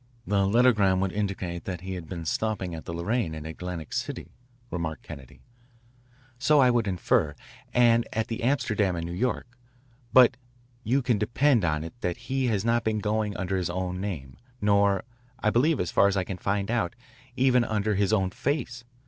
"The lettergram would indicate that he had been stopping at the Lorraine in Atlantic City," remarked Kennedy. "So I would infer, and at the Amsterdam in New York. But you can depend on it that he has not been going under his own name nor, I believe as far as I can find out, even under his own face.